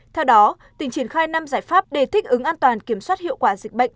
theo đó tỉnh triển khai năm giải pháp để thích ứng an toàn kiểm soát hiệu quả dịch bệnh